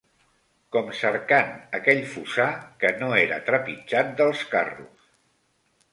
Com cercant aquell fossar que no era trepitjat dels carros